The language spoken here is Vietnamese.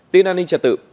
tin an ninh trật tự